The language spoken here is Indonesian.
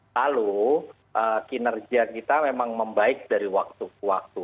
lalu kinerja kita memang membaik dari waktu ke waktu